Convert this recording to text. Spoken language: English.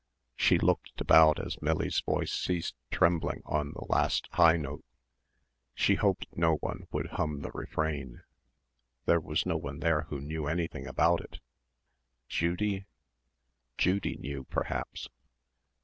She looked about as Millie's voice ceased trembling on the last high note. She hoped no one would hum the refrain. There was no one there who knew anything about it.... Judy? Judy knew, perhaps.